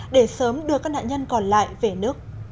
để sớm đưa các nạn nhân còn lại về nước